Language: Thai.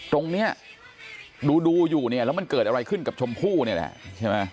ตรงนี้ดูอยู่เนี่ยแล้วมันเกิดอะไรขึ้นกับชมพู่นี่แหละใช่ไหม